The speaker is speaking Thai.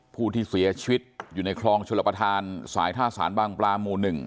ผู้ที่เสียชีวิตอยู่ในคลองชลประธานสายท่าสารบางปลาหมู่๑